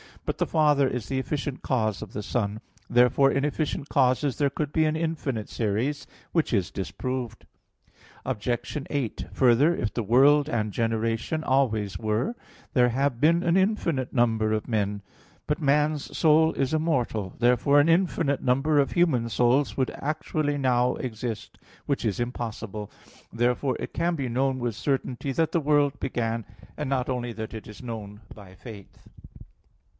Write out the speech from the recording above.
But the father is the efficient cause of the son (Phys. ii, text 5). Therefore in efficient causes there could be an infinite series, which is disproved (Metaph. ii, text 5). Obj. 8: Further, if the world and generation always were, there have been an infinite number of men. But man's soul is immortal: therefore an infinite number of human souls would actually now exist, which is impossible. Therefore it can be known with certainty that the world began, and not only is it known by faith.